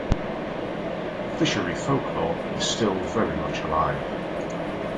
Fishery folklore is still very much alive.